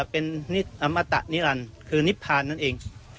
เป็นอมตะนิรันดิ์คือนิพพานนั่นเอง